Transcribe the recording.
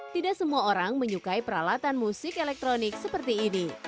tidak semua orang menyukai peralatan musik elektronik seperti ini